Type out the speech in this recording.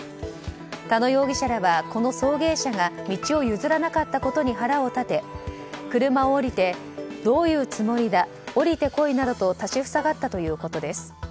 田野容疑者らはこの送迎車が道を譲らなかったことに腹を立て車を降りてどういうつもりだ降りてこいなどと立ち塞がったということです。